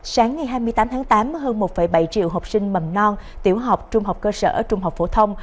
sáng ngày hai mươi tám tháng tám hơn một bảy triệu học sinh mầm non tiểu học trung học cơ sở trung học phổ thông